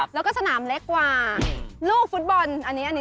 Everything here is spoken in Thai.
และก็สนามเล็กกว่าลูกฟุตบอลอันนี้เหล่านี้